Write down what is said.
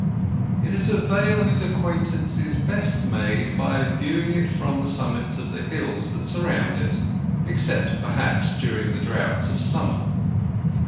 It is a vale whose acquaintance is best made by viewing it from the summits of the hills that surround it—except perhaps during the droughts of summer.